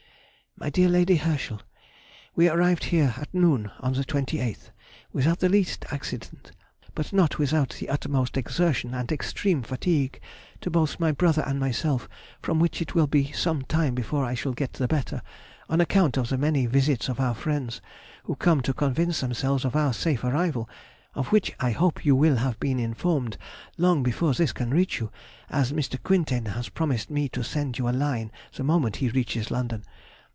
MY DEAR LADY HERSCHEL,— We arrived here at noon, on the 28th, without the least accident, but not without the utmost exertion and extreme fatigue to both my brother and myself, from which it will be some time before I shall get the better, on account of the many visits of our friends, who come to convince themselves of our safe arrival, of which I hope you will have been informed long before this can reach you, as Mr. Quintain has promised me to send you a line the moment he reaches London.